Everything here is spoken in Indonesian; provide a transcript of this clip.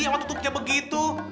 sama tutupnya begitu